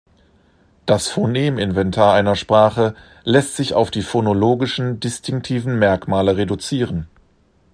Das Phoneminventar einer Sprache lässt sich auf die phonologischen distinktiven Merkmale reduzieren.